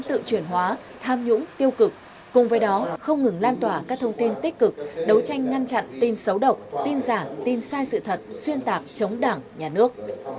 tự chuyển hóa tham nhũng tiêu cực cùng với đó không ngừng lan tỏa các thông tin tích cực đấu tranh ngăn chặn tin xấu độc tin giả tin sai sự thật xuyên tạc chống đảng nhà nước